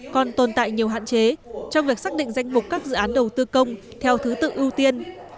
còn tồn tại nhiều hạn chế trong việc xác định danh mục các dự án đầu tư công theo thứ tự ưu tiên